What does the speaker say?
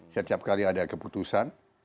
setiap kali ada keputusan